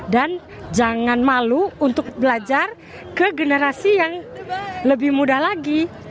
dan jangan malu untuk belajar ke generasi yang lebih muda lagi